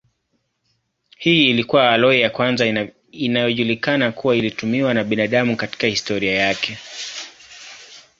Hii ilikuwa aloi ya kwanza inayojulikana kuwa ilitumiwa na binadamu katika historia yake.